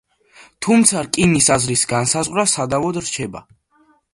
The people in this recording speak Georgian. თუმცა „რკინის“ აზრის განსაზღვრა სადავოდ რჩება.